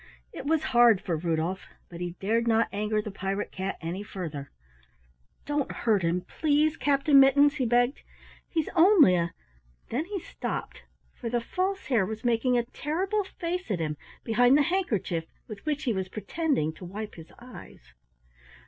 It was hard for Rudolf, but he dared not anger the pirate cat any further. "Don't hurt him, please, Captain Mittens," he begged. "He's only a " Then he stopped, for the False Hare was making a terrible face at him behind the handkerchief with which he was pretending to wipe his eyes.